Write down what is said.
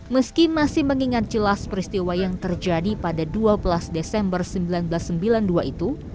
meski masih mengingat jelas peristiwa yang terjadi pada dua belas desember seribu sembilan ratus sembilan puluh dua itu